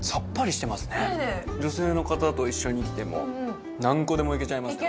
女性の方と一緒に来ても何個でもいけちゃいますね